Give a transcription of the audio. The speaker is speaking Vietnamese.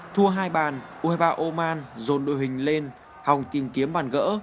thua hai bàn u hai mươi ba oman dồn đội hình lên hòng tìm kiếm bàn gỡ